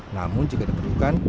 namun jika diperlukan